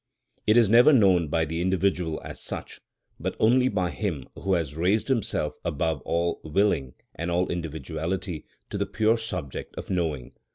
It is never known by the individual as such, but only by him who has raised himself above all willing and all individuality to the pure subject of knowing.